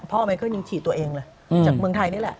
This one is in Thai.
ไมเคิลยังฉีดตัวเองเลยจากเมืองไทยนี่แหละ